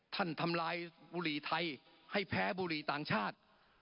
ทำลายบุหรี่ไทยให้แพ้บุหรี่ต่างชาติ